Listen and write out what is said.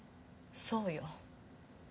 そうよ。